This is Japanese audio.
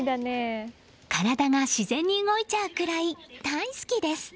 体が自然に動いちゃうくらい大好きです。